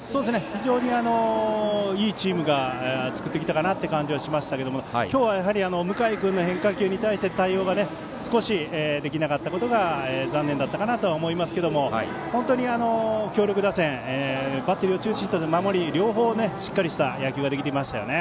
非常にいいチームを作ってきたかなと感じましたが今日は、やはり向井君の変化球に対して対応が少しできなかったことが残念だったかなと思いますけど本当に強力打線バッテリーを中心とした守りしっかりした野球ができていましたよね。